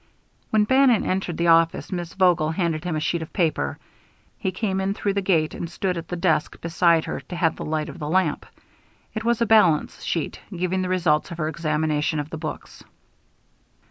When Bannon entered the office, Miss Vogel handed him a sheet of paper. He came in through the gate and stood at the desk beside her to have the light of the lamp. It was a balance sheet, giving the results of her examination of the books.